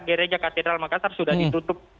gereja katedral makassar sudah ditutup